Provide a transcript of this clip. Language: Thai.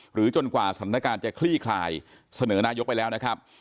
จนกว่าสถานการณ์จะคลี่คลายเสนอนายกไปแล้วนะครับ